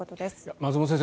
松本先生